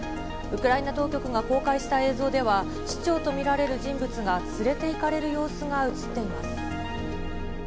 ウクライナ当局が公開した映像では、市長と見られる人物が連れていかれる様子が写っています。